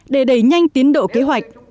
để đẩy nhanh tiến độ kế hoạch